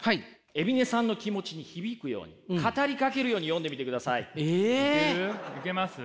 海老根さんの気持ちに響くように語りかけるように読んでみてください。え！？いける？いけます？